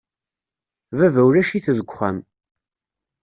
Baba ulac-it deg uxxam.